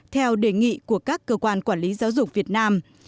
theo đề nghị của các cơ quan quản lý giáo dục việt nam